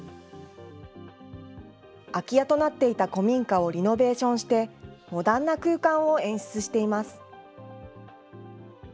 空き家となっていた古民家をリノベーションして、モダンな空間を演出しています。